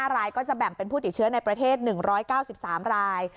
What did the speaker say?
๕รายก็จะแบ่งเป็นผู้ติดเชื้อในประเทศ๑๙๓ราย